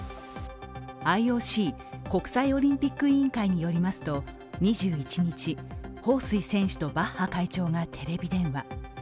ＩＯＣ＝国際オリンピック委員会によりますと２１日、彭帥選手とバッハ会長がテレビ電話。